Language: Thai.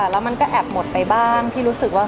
แล้วมันก็แอบหมดไปบ้างที่รู้สึกว่า